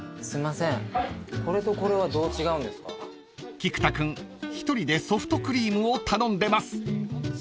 ［菊田君１人でソフトクリームを頼んでます］